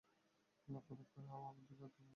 লক্ষ্য ভেদ করতেও আমি অধিক দক্ষ।